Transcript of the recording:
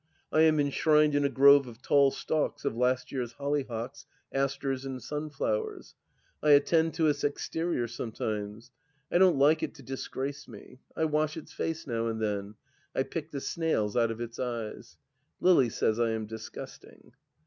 I am enshrined in a grove of tall stalks of last year's hollyhocks, asters and sunflowers. I attend to its exterior sometimes. I don't like it to disgrace me. I wash its face now and then ; I pick the snaUs out of its eyes. ... Lily says I am disgusting.